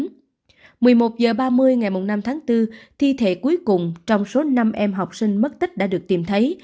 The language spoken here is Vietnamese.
một mươi một h ba mươi ngày năm tháng bốn thi thể cuối cùng trong số năm em học sinh mất tích đã được tìm thấy